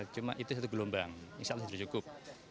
cuma itu satu gelombang insya allah sudah cukup